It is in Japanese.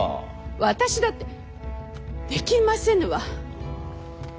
私だってできませぬわ。